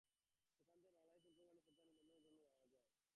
সেখান থেকে বাংলাদেশ শিল্পকলা একাডেমীতে শ্রদ্ধা নিবেদনের জন্য নিয়ে যাওয়া হয়।